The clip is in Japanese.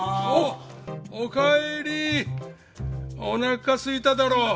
おなかすいただろ？